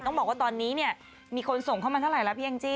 ต้องบอกว่าตอนนี้มีคนส่งเข้ามาเท่าไรล่ะพี่แองจิ